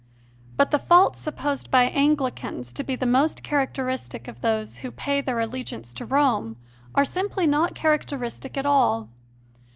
But the faults supposed by Anglicans to be most charac teristic of those who pay their allegiance to Rome are simply not characteristic at all.